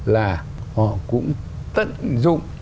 là họ cũng tận dụng